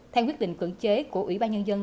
theo quyết định cưỡng chế của ủy ban nhân dân